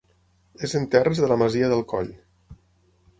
És en terres de la masia del Coll.